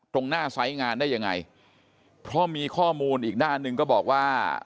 ตรงหน้าไซส์งานได้ยังไงเพราะมีข้อมูลอีกด้านหนึ่งก็บอกว่า